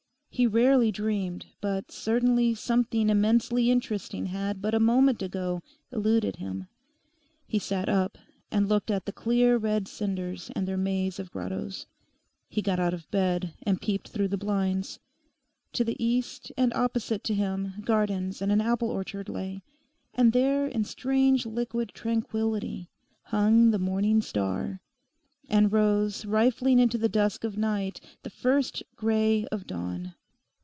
He rarely dreamed, but certainly something immensely interesting had but a moment ago eluded him. He sat up and looked at the clear red cinders and their maze of grottoes. He got out of bed and peeped through the blinds. To the east and opposite to him gardens and an apple orchard lay, and there in strange liquid tranquillity hung the morning star, and rose, rifling into the dusk of night, the first grey of dawn.